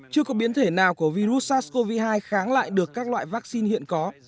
chưa có biến thể nào của virus sars cov hai kháng lại được các loại vaccine hiện có